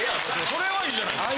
それはいいじゃないですか！